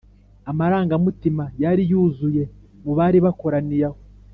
amarangamutima yari yuzuye mu bari bakoraniye aho,